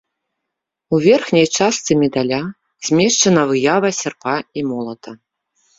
У верхняй частцы медаля змешчана выява сярпа і молата.